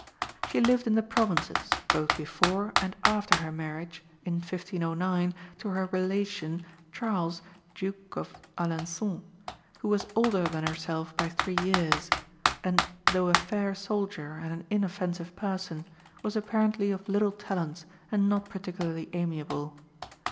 She lived in the provinces both before and after her marriage, in 1509, to her relation, Charles, Duke of Alençon, who was older than herself by three years, and though a fair soldier and an inoffensive person, was apparently of little talents and not particularly amiable.